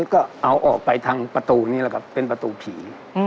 ก็เอาออกไปทางประตูนี้แหละครับเป็นประตูผี